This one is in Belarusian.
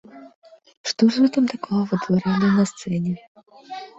Што ж вы там такога вытваралі на сцэне?